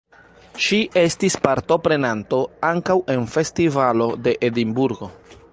Ŝi estis partoprenanto ankaŭ en festivalo de Edinburgo.